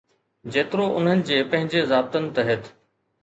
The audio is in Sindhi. جيترو انهن جي پنهنجي ضابطن تحت.